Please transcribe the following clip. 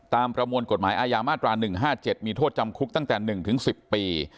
ประมวลกฎหมายอาญามาตรา๑๕๗มีโทษจำคุกตั้งแต่๑๑๐ปี